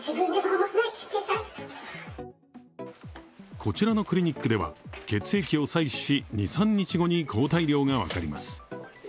こちらのクリニックでは血液を採取し２３日後に抗体量が分かります。